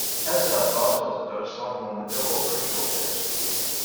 Het staat vast dat de doodstraf momenteel opgeschort is.